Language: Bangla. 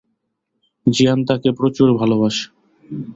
জিয়ান তাকে প্রচুর ভালোবাসে।